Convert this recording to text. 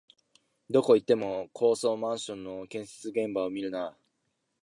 どこ行っても高層マンションの建設現場を見るなあ